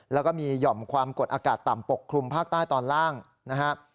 แล้วก็มีหย่อมความกดอากาศต่ำปกคลุมภาคใต้ตอนล่างนะครับ